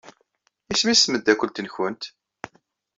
Isem-nnes tmeddakelt-nwent?